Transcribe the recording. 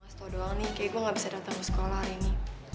mas tau doang nih kayaknya gue gak bisa datang ke sekolah hari ini